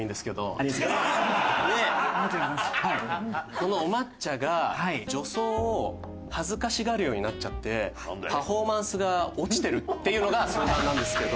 このお抹茶が女装を恥ずかしがるようになっちゃってパフォーマンスが落ちてるっていうのが相談なんですけど。